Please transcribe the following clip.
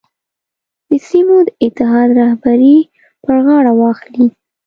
د سیمو د اتحاد رهبري پر غاړه واخلي.